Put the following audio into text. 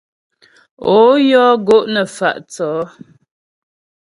Ó yɔ́ gó' nə fa' yəŋ.